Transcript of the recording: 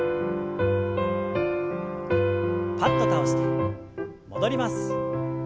パッと倒して戻ります。